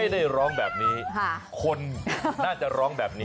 ได้ร้องแบบนี้คนน่าจะร้องแบบนี้